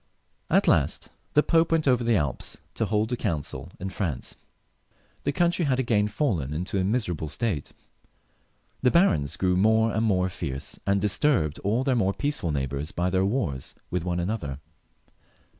At last the Pope went over the Alps to hold a council in France. The country had again fallen into a miserable state. The barons grew more and more fierce, and dis turbed all their more peaceful neighbours by their wars with one another.